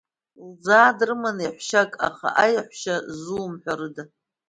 Лыӡаа дрыман еиҳәшьак, аха аиаҳәшьа ззумҳәарыда…